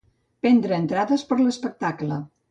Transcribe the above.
Prendre entrades per a l'espectacle.